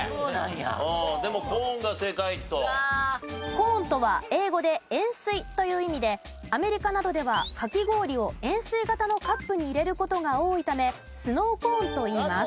ｃｏｎｅとは英語で円錐という意味でアメリカなどではかき氷を円錐形のカップに入れる事が多いためｓｎｏｗｃｏｎｅといいます。